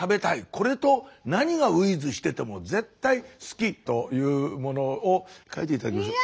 これと何がｗｉｔｈしてても絶対好きというものを書いて頂きましょう。